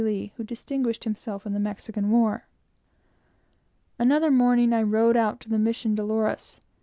Lee, who distinguished himself in the Mexican War. Another morning I ride to the Mission Dolores.